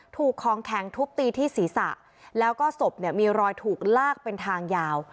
ถูกของแข็งทุบตีที่ศีรษะแล้วก็ศพเนี่ยมีรอยถูกลากเป็นทางยาว